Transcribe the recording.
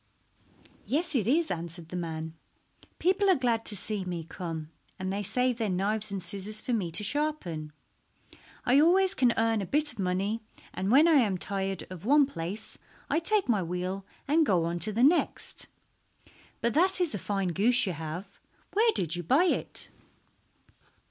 "Yes, it is," answered the man. "People are glad to see me come, and they save their knives and scissors for me to sharpen. I always can earn a bit of money, and when I am tired of one place I take my wheel and go on to the next. But that is a fine goose you have. Where did you buy it?"